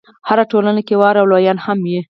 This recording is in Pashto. هره ټولنه کې واړه او لویان هم وي.